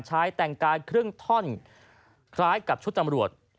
ชายแต่งกายครึ่งท่อนคล้ายกับชุดตำรวจ